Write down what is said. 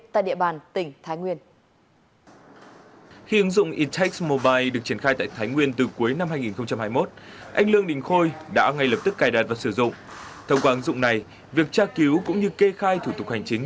thông qua ứng dụng này việc tra cứu cũng như kê khai thủ tục hành chính